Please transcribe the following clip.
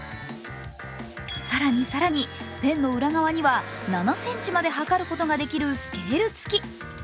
更に更にペンの裏側には７ｃｍまで測ることができるスケール付き。